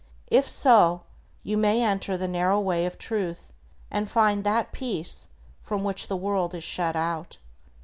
If so, you may enter the narrow way of Truth, and find that peace from which the world is shut out.